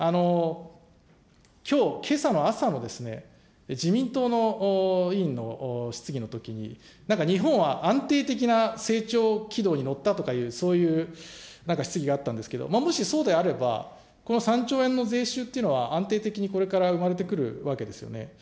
きょう、けさの朝の自民党の委員の質疑のときに、なんか日本は安定的な成長軌道に乗ったとかいう、そういうなんか質疑があったんですけど、もしそうであれば、この３兆円の税収というのは安定的にこれから生まれてくるわけですよね。